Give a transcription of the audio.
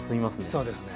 そうですね。